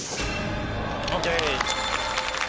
ＯＫ！